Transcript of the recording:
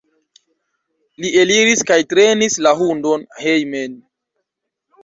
Li eliris kaj trenis la hundon hejmen.